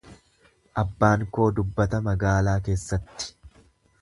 Abbaan koo dubbata magaalaa keessatti.